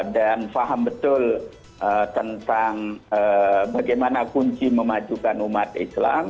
dan faham betul tentang bagaimana kunci memajukan umat islam